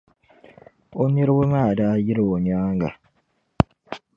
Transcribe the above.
O niraba maa daa yila o nyaaŋa.